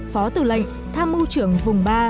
phó tư lệnh tham mưu trưởng vùng ba